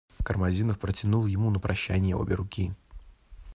Кармазинов протянул ему на прощание обе руки.